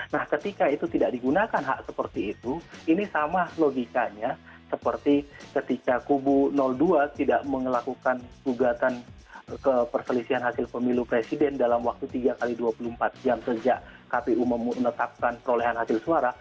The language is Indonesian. nah ketika itu tidak digunakan hak seperti itu ini sama logikanya seperti ketika kubu dua tidak melakukan gugatan ke perselisihan hasil pemilu presiden dalam waktu tiga x dua puluh empat jam sejak kpu menetapkan perolehan hasil suara